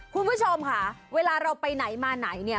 คุณผู้ชมค่ะเวลาเราไปไหนมาไหนเนี่ย